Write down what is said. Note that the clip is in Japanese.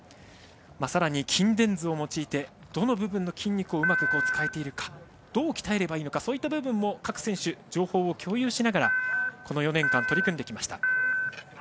さらに、筋電図を用いてどの部分の筋肉がうまく使えているのかどう鍛えればいいかそういった部分も各選手、情報を共有しながらこの４年間、取り組んできました。